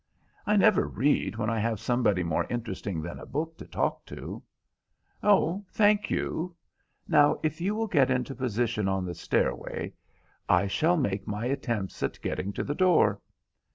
"I never read when I have somebody more interesting than a book to talk to." "Oh, thank you. Now, if you will get into position on the stairway, I shall make my attempts at getting to the door."